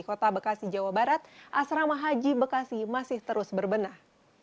kota bekasi jawa barat asrama haji bekasi masih terus berbenah